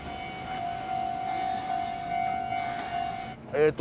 えっと